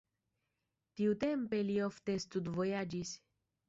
Tiutempe li ofte studvojaĝis.